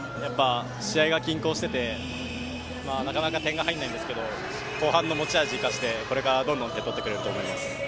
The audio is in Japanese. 試合が均衡しててなかなか点が入らないんですけど後半に持ち味を生かしてこれからどんどん点を取ってくれると思います。